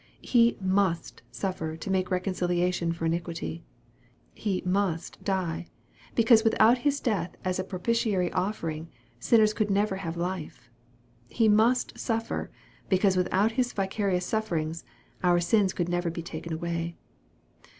He "must" suffer to make reconciliation for iniquity. He " must" die, because without His death as a propitiatory offering, sinners could never have life. He " must" suffer, because without His vicarious sufferings, our sins could never be taken away.